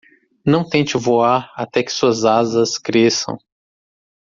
Não tente voar até que suas asas cresçam!